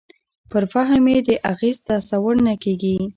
پر فهم یې د اغېز تصور نه کېږي.